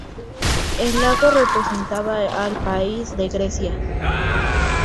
El lago representaba al país de Grecia.